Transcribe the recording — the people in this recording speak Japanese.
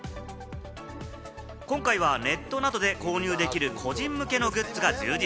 今回はネットなどで購入できる個人向けのグッズが充実。